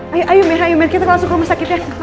ayo ayo mer kita langsung ke rumah sakit ya